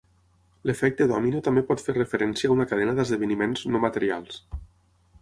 L'efecte dòmino també pot fer referència a una cadena d'esdeveniments no materials.